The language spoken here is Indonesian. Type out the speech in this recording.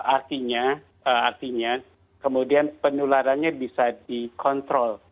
artinya artinya kemudian penularannya bisa dikontrol